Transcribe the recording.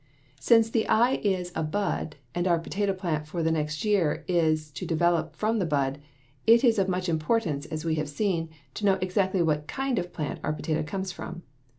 Since the eye is a bud and our potato plant for next year is to develop from this bud, it is of much importance, as we have seen, to know exactly what kind of plant our potato comes from.